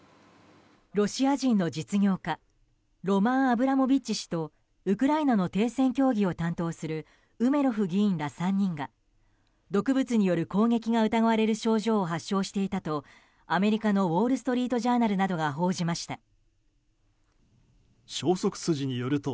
ロシア人の実業家ロマン・アブラモビッチ氏とウクライナの停戦協議を担当するウメロフ議員ら３人が毒物による攻撃が疑われる症状を発症していたとアメリカのウォール・ストリート・ジャーナルなどが報じました。